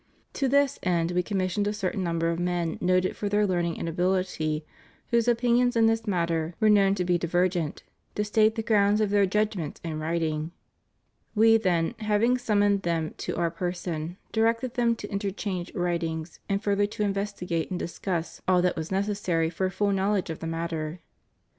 To this end We commissioned a certain number of men noted for their learning and ability, whose opinions in this matter were known to be divergent, to state the grounds of their judg ments in writing. We then, having summoned them to Our person, directed them to interchange writings and further to investigate and discuss all that was necessary 394 ANGLICAN ORDERS. for a full knowledge of the matter.